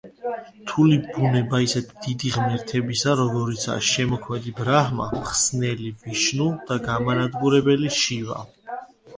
რთული ბუნება ისეთი დიდი ღმერთებისა, როგორიცაა შემოქმედი ბრაჰმა, მხსნელი ვიშნუ და გამანადგურებელი შივა.